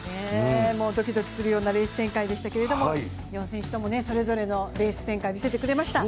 ドキドキするようなレース展開でしたけど４選手とも、それぞれのレース展開を見せてくれました。